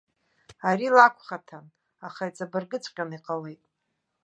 Ари лакәхаҭан, аха иҵабыргыҵәҟьаны иҟалеит.